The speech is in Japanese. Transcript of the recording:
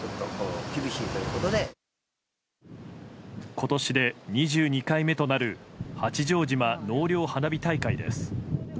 今年で２２回目となる八丈島納涼花火大会です。